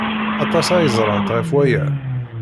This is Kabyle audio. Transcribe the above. Aṭas ay ẓrant ɣef waya.